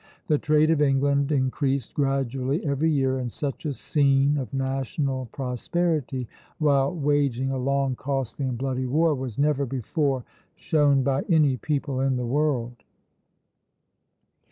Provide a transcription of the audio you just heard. The trade of England increased gradually every year, and such a scene of national prosperity while waging a long, costly, and bloody war, was never before shown by any people in the world."